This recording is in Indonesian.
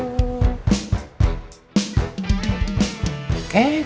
eh kang ajeng